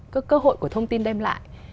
cơ hội của thông tin đem lại